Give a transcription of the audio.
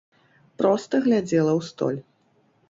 Проста глядзела ў столь.